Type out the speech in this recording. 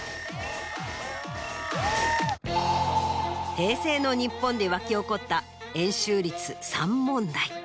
平成の日本で沸き起こった円周率３問題。